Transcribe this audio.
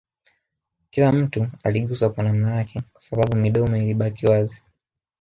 Kila mtu aliguswa kwa namna yake Kwa sababu midomo ilibaki wazi